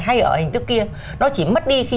hay ở hình thức kia nó chỉ mất đi khi